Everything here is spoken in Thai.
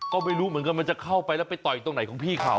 ก็ไม่รู้เหมือนกันมันจะเข้าไปแล้วไปต่อยตรงไหนของพี่เขา